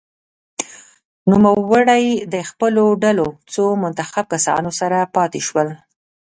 نوموړی د خپلو ډلو څو منتخب کسانو سره پاته شول.